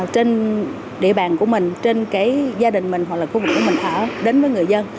trên địa bàn của mình trên cái gia đình mình hoặc là khu vực của mình ở đến với người dân